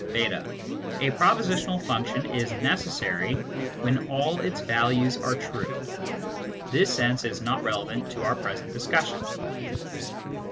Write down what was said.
(ft) A prepositional, function is necessary when att its values are true. This sense is not relevant to our present discussion.